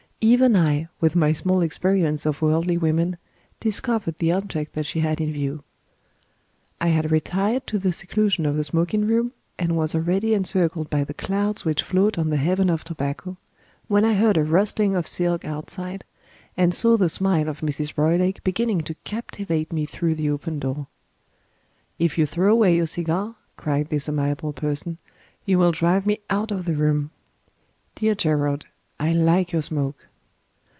Even I, with my small experience of worldly women, discovered the object that she had in view. I had retired to the seclusion of the smoking room, and was already encircled by the clouds which float on the heaven of tobacco, when I heard a rustling of silk outside, and saw the smile of Mrs. Roylake beginning to captivate me through the open door. "If you throw away your cigar," cried this amiable person, "you will drive me out of the room. Dear Gerard, I like your smoke."